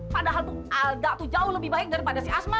padahal alda itu jauh lebih baik daripada si asma